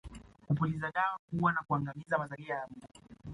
Kupuliza dawa kuua na kuangamiza mazalia ya mbu